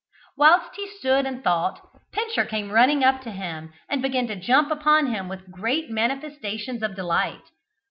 Whilst he stood and thought, Pincher came running up to him, and began to jump upon him with great manifestations of delight.